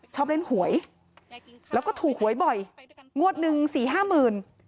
ชอบเล่นหวยแล้วก็ถูหวยบ่อยงวดหนึ่ง๔๕๐๐๐๐บาท